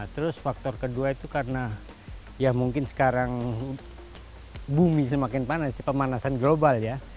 terus faktor kedua itu karena ya mungkin sekarang bumi semakin panas sih pemanasan global ya